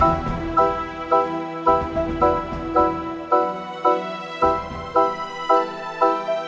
udah terjumpa gue ya har trabalhah mewaluin